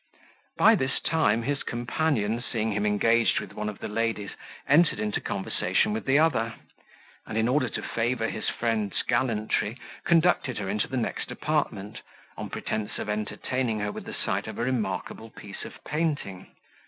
By this time his companion, seeing him engaged with one of the ladies, entered into conversation with the other; and, in order to favour his friend's gallantry, conducted her into the next apartment, on pretence of entertaining her with the sight of a remarkable piece of painting.